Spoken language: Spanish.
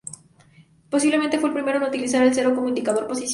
Posiblemente fue el primero en utilizar el cero como indicador posicional.